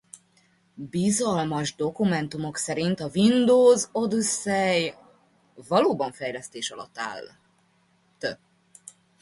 Bizalmas dokumentumok szerint a Windows Odyssey valóban fejlesztés alatt állt.